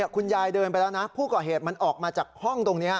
เดินไปแล้วนะผู้ก่อเหตุมันออกมาจากห้องตรงนี้